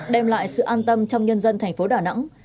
đem lại sự an tâm trong nhân dân thành phố đà nẵng